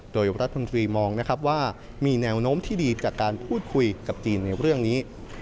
โดยรัฐมนตรีมองนะครับว่ามีแนวโน้มที่ดีจากการพูดคุยกับจีนในเรื่องนี้